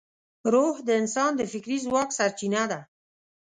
روح د انسان د فکري ځواک سرچینه ده.